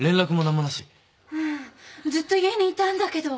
うんずっと家にいたんだけど。